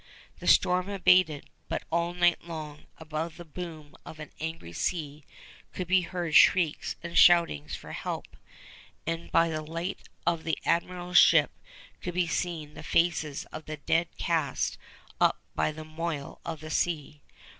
The storm abated, but all night long, above the boom of an angry sea, could be heard shrieks and shoutings for help; and by the light of the Admiral's ship could be seen the faces of the dead cast up by the moil of the sea.